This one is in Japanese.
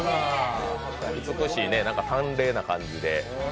美しいね、淡麗な感じで。